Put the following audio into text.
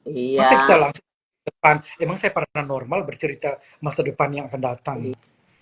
iya lancar depan memang saya pernah normal bercerita masa depan yang akan datang